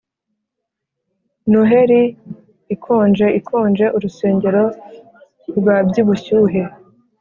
noheri ikonje ikonje, urusengero rwabyibushye